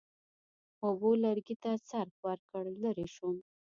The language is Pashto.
اوبو لرګي ته څرخ ورکړ، لرې شوم.